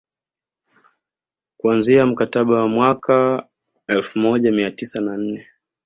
Kuanzia mkataba wa mwaka wa elfu moja mia tisa na nne